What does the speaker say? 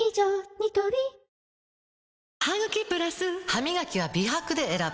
ニトリハミガキは美白で選ぶ！